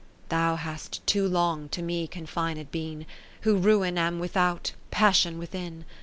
Thou hast too long to me confined been, Who ruin am without, passion within.